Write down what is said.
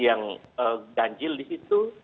yang ganjil di situ